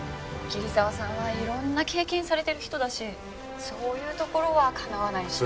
桐沢さんはいろんな経験されてる人だしそういうところはかなわないし。